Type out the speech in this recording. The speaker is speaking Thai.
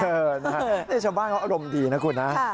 ชาวบ้านเขาอารมณ์ดีนะคุณนะ